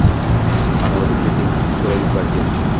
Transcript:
Ana, o’zi… Keling, so’raymiz, balki